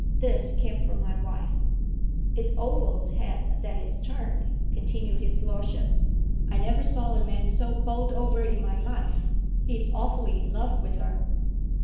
This came from my wife. "It's Oval's head that is turned," continued his lordship; "I never saw a man so bowled over in my life. He's awfully in love with her."